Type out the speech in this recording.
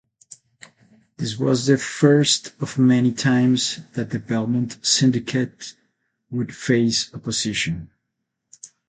This was the first of many times that the Belmont Syndicate would face opposition.